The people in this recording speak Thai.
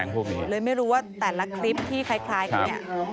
เลยไม่รู้ว่าแต่ละคลิปที่คล้ายเนี่ย